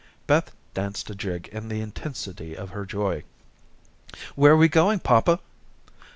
Beth danced a jig in the intensity of her joy. "Where are we going, papa?"